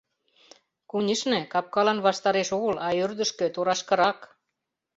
Конешне, капкалан ваштареш огыл, а ӧрдыжкӧ, торашкырак.